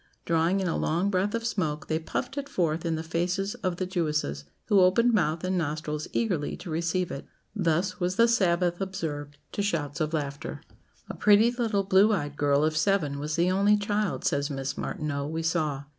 Drawing in a long breath of smoke, they puffed it forth in the faces of the Jewesses, who opened mouth and nostrils eagerly to receive it. Thus was the Sabbath observed, to shouts of laughter. "A pretty little blue eyed girl of seven was the only child," says Miss Martineau, "we saw.